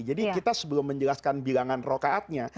jadi kita sebelum menjelaskan bilangan rokaatnya